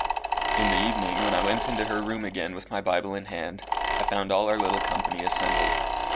In the evening, when I went into her room again with my Bible in my hand, I found all our little company assembled.